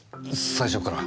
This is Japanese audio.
最初から。